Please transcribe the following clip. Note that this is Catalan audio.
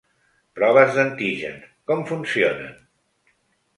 Proves d’antígens: com funcionen?